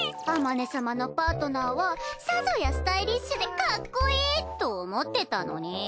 あまね様のパートナーはさぞやスタイリッシュでかっこいいと思ってたのに。